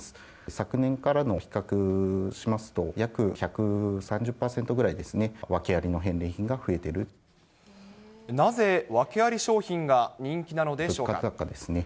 昨年からの比較しますと、約１３０％ぐらいですね、なぜ訳あり商品が人気なので物価高ですね。